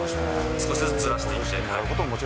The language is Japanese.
少しずつずらしていって。